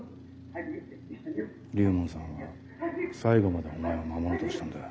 龍門さんは最後までお前を守ろうとしたんだ。